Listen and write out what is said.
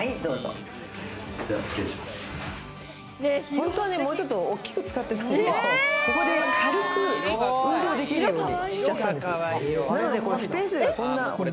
本当に、もうちょっと大きく作ってたんだけど軽く運動できるようにしちゃったんです。